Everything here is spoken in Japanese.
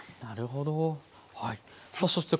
なるほどはい。